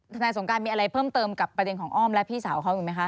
ทนายสงการมีอะไรเพิ่มเติมกับประเด็นของอ้อมและพี่สาวเขาอีกไหมคะ